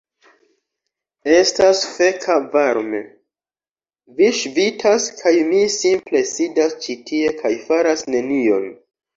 Estas feka varme. Mi ŝvitas kaj mi simple sidas ĉi tie kaj faras nenion.